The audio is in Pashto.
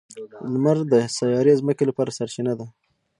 • لمر د سیارې ځمکې لپاره سرچینه ده.